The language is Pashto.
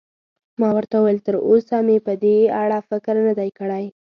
ما ورته وویل: تراوسه مې په دې اړه فکر نه دی کړی.